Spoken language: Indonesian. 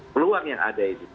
peluang yang ada ini